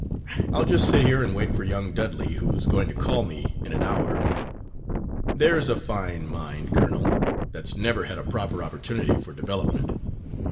I'll just sit here and wait for young Dudley, who's going to call for me in an hour. There's a fine mind, colonel, that's never had a proper opportunity for development.